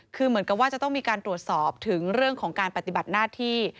คือเหมือนกับว่าจะต้องมีการตรวจสอบถึงเรื่องของการปฏิบัติหน้าที่